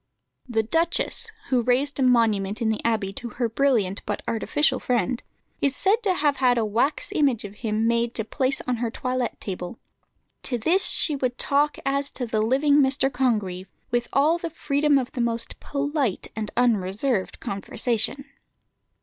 The duchess, who raised a monument in the Abbey to her brilliant but artificial friend, is said to have had a wax image of him made to place on her toilette table. "To this she would talk as to the living Mr. Congreve, with all the freedom of the most polite and unreserved conversation."